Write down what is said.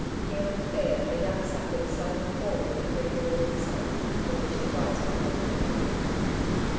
Here and there, a young sapling slanted forward to greet the morning sun when it should rise behind the hummock.